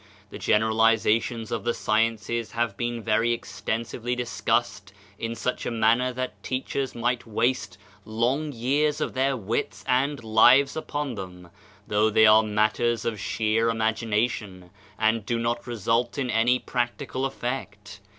The generaliza tions of the sciences have been very extensively dis cussed in such a manner that teachers might waste long years of their wits and lives upon them, though they are matters of sheer imagination, and do not result in any practical efiect.